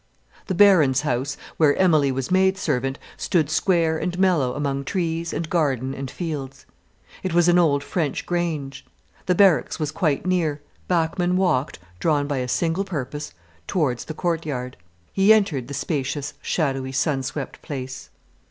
The Baron's house, where Emilie was maidservant, stood square and mellow among trees and garden and fields. It was an old French grange. The barracks was quite near. Bachmann walked, drawn by a single purpose, towards the courtyard. He entered the spacious, shadowy, sun swept place.